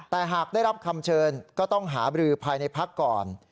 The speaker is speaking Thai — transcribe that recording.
แต่หากได้รับคำเชิญก็ต้องหาบรือภายในพักก่อน